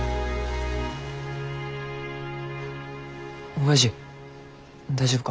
おやじ大丈夫か？